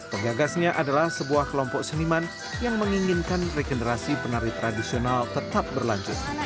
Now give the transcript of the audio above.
penggagasnya adalah sebuah kelompok seniman yang menginginkan regenerasi penari tradisional tetap berlanjut